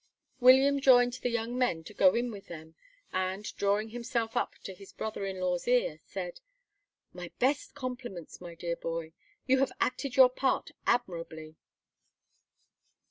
William joined the young men to go in with them, and, drawing himself up to his brother in law's ear, said: "My best compliments, my dear boy! You have acted your part admirably."